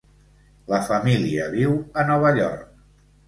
La família viu a Nova York.